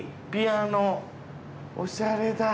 おしゃれだ。